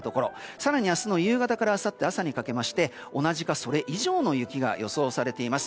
更に明日の夕方からあさってにかけまして同じかそれ以上の雪が予想されています。